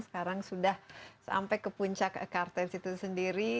sekarang sudah sampai ke puncak kartens itu sendiri